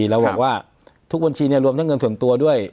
เราบอกว่าทุกบัญชีรวมทั้งเงินส่วนตัวด้วย